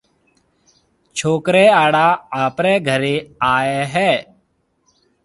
ڇوڪرَي آݪا آپرَي گھرَي آئيَ ھيََََ